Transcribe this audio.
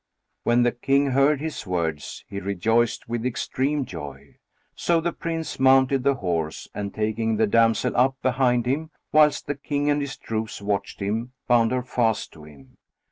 When the King heard his words, he rejoiced with extreme joy; so the Prince mounted the horse and, taking the damsel up behind him, whilst the King and his troops watched him, bound her fast to him.